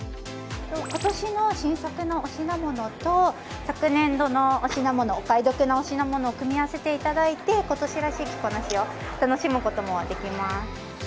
今年の新作のお品物と昨年度のお買い得なお品物を組み合わせていただいて今年らしい着こなしを楽しむこともできます。